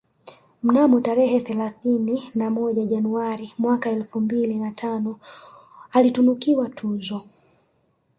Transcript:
Mnamo tarehe thelathini na moja Januari mwaka elfu mbili na tano alitunukiwa tuzo